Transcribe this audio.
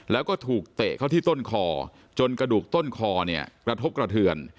แล้วก็ถูกเตะเข้าที่ต้นคอจนกระดูกต้นคอเนี่ยกระทบกระเทือน